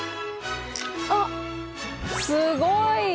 あっすごい！